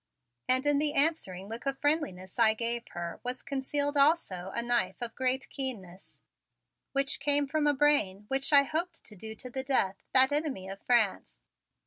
And in the answering look of friendliness I gave her was concealed also a knife of great keenness, which came from a brain with which I hoped to do to the death that enemy of France.